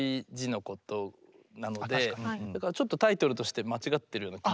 だからちょっとタイトルとして間違ってるような気も。